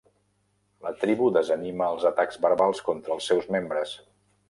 La tribu desanima els atacs verbals contra els seus membres.